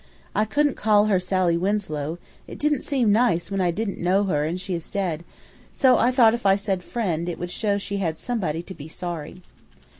I couldn't call her Sally Winslow; it didn't seem nice when I didn't know her and she is dead, so I thought if I said friend' it would show she had somebody to be sorry.